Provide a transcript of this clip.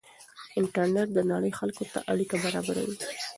انټرنېټ د نړۍ خلکو ته اړیکه برابروي.